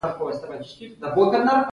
ټول حرکات او اعمال وڅاري.